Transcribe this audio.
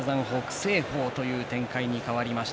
青鵬という展開に変わりました。